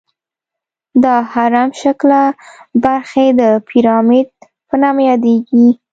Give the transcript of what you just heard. دا هرم شکله برخې د پیرامید په نامه یادیږي.